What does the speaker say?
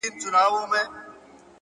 تش په نامه دغه ديدار وچاته څه وركوي ـ